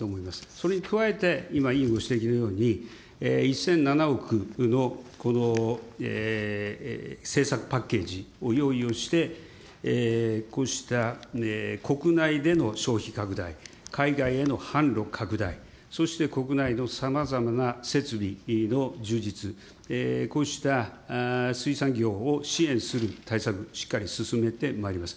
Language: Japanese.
それに加えて、今委員ご指摘のように、１００７億のこの政策パッケージを用意をして、こうした国内での消費拡大、海外への販路拡大、そして、国内のさまざまな設備の充実、こうした水産業を支援する対策、しっかり進めてまいります。